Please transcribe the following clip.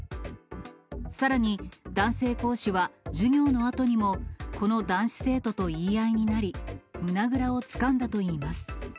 さらに男性講師は、授業のあとにも、この男子生徒と言い合いになり、胸倉をつかんだといいます。